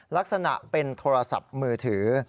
ลักษณะเป็นโทรศัพท์มือถือ